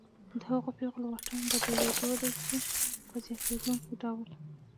د هغو پیغلو واټن په ډېرېدو دی چې په زیاتېدونکي ډول